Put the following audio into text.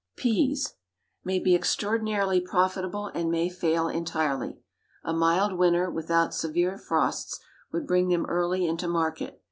PEAS May be extraordinarily profitable, and may fail entirely. A mild winter, without severe frosts, would bring them early into market.